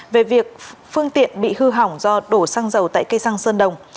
về việc phương tiện bị hư hỏng do đổ xăng dầu tại cây xăng sơn đồng